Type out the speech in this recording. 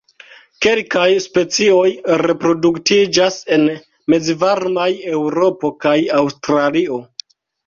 Kelkaj specioj reproduktiĝas en mezvarmaj Eŭropo kaj Aŭstralio.